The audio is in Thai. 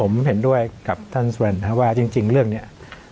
ผมเห็นด้วยกับท่านสุวรรณว่าจริงเรื่องนี้